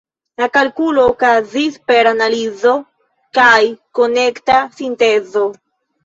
La kalkulo okazis per analizo kaj konekta sintezo.